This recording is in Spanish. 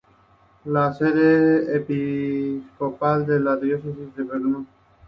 Es la sede episcopal de la diócesis de Verdún.